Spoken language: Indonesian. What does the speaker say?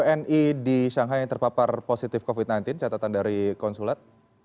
wni di shanghai yang terpapar positif covid sembilan belas catatan dari konsulat